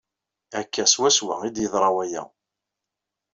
Akka swaswa ay d-yeḍra waya.